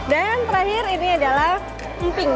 dan terakhir ini adalah emping